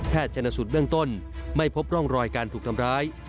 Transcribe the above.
ชนสูตรเบื้องต้นไม่พบร่องรอยการถูกทำร้าย